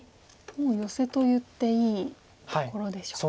もうヨセと言っていいところでしょうか。